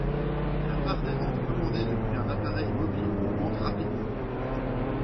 La part des ventes commandées depuis un appareil mobile augmente rapidement.